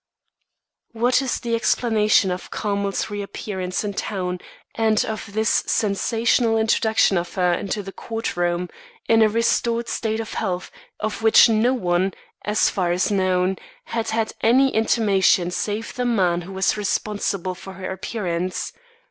What is the explanation of Carmel's reappearance in town and of this sensational introduction of her into the court room, in a restored state of health of which no one, so far as known, had had any intimation save the man who was responsible for her appearance?